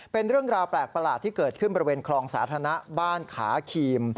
เป็นเรื่องราวแปลกประหลาดที่เกิดขึ้นบริเวณคลองสาธารณะบ้านขาครีม